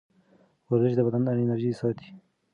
ورزش د بدن انرژي ساتي.